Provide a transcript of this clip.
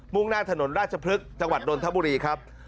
่งหน้าถนนราชพฤกษ์จังหวัดนทบุรีครับ